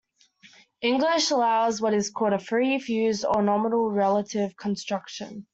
English allows what is called a "free", "fused" or "nominal" relative construction.